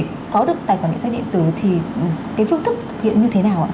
để có được tài khoản định danh điện tử thì cái phương thức thực hiện như thế nào ạ